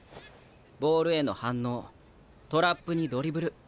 ボールへの反応トラップにドリブル。